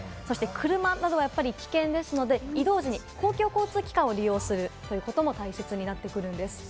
車などは危険なので、移動時、公共交通機関を利用することも大切になってくるんです。